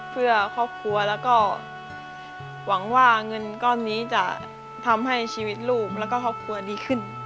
เพื่อครอบครัวแล้วก็หวังว่าเงินก้อนนี้จะทำให้ชีวิตลูกแล้วก็ครอบครัวดีขึ้น